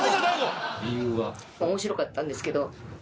面白かったんですけど。